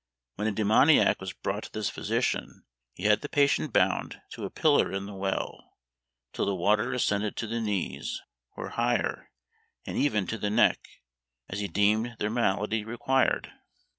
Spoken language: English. When a demoniac was brought to this physician, he had the patient bound to a pillar in the well, till the water ascended to the knees, or higher, and even to the neck, as he deemed their malady required.